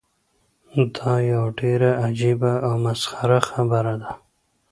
دا یوه ډیره عجیبه او مسخره خبره ده.